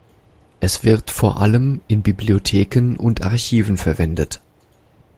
Es wird vor allem in Bibliotheken und Archiven verwendet.